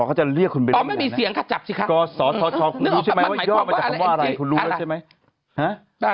เขาจะเรียกพี่หนุ่มว่า